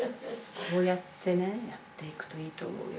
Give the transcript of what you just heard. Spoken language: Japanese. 「こうやってねやっていくといいと思うよ」